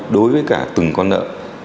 đối với cả từng con nợ